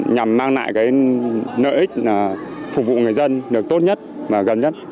nhằm mang lại cái nợ ích phục vụ người dân được tốt nhất và gần nhất